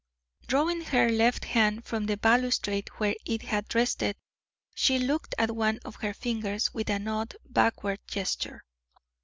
Drawing her left hand from the balustrade where it had rested, she looked at one of her fingers with an odd backward gesture.